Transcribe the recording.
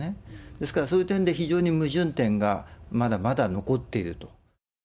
ですからそういう点で非常に矛盾点がまだまだ残っていると。